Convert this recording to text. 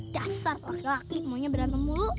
dasar laki laki maunya berantem mulu